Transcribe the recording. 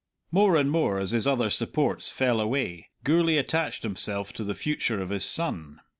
More and more, as his other supports fell away, Gourlay attached himself to the future of his son.